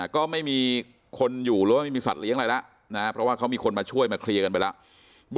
ก็ไม่มีคนอยู่หรือว่าไม่มีสัตว์เลี้ยงอะไรแล้วนะเพราะว่าเขามีคนมาช่วยมาเคลียร์กันไปแล้ว